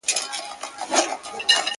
اوښ په خپلو متيازو کي خويېږي.